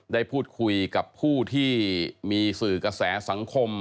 ได้พูดคุยกับผู้ที่มีสื่อกระแสสังคม